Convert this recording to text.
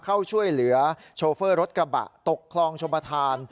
เข้าช่วยเหลือโชเฟอร์รถกระบะตกคลองชมประธาน